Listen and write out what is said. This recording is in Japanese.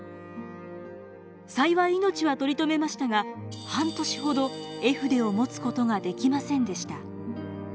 幸い命は取り留めましたが半年ほど絵筆を持つことができませんでした。